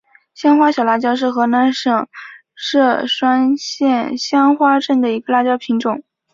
香花小辣椒是河南省淅川县香花镇的一个辣椒品种。